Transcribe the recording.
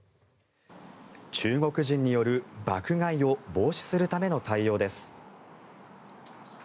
中国人による爆買いを防止するための対応です。